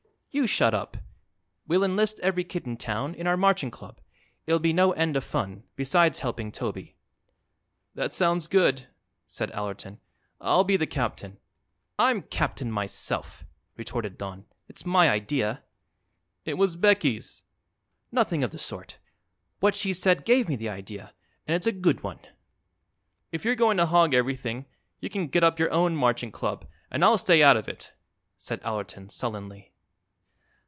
"You shut up. We'll enlist every kid in town in our marching club. It'll be no end of fun besides helping Toby." "That sounds good," said Allerton. "I'll be the captain." "I'm captain myself," retorted Don. "It's my idea." "It was Becky's." "Nothing of the sort. What she said gave me the idea; and it's a good one." "If you're going to hog everything, you can get up your own marching club, and I'll stay out of it," said Allerton sullenly.